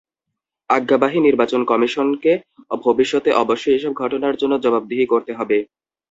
আজ্ঞাবাহী নির্বাচন কমিশনকে ভবিষ্যতে অবশ্যই এসব ঘটনার জন্য জবাবদিহি করতে হবে।